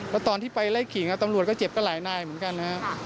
แล้วตอนที่ไปไล่ขิงตำรวจก็เจ็บก็หลายนายเหมือนกันนะครับ